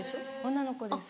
女の子です。